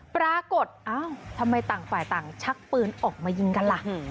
ปรากฏอ้าวทำไมต่างฝ่ายต่างชักปืนออกมายิงกันล่ะ